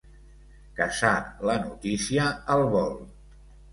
Caçar la notícia al vol.